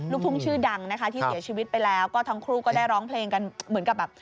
ลูกทุ่งชื่อดังนะคะที่เสียชีวิตไปแล้วก็ทั้งคู่ก็ได้ร้องเพลงกันเหมือนกับแบบ